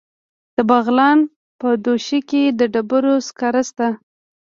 د بغلان په دوشي کې د ډبرو سکاره شته.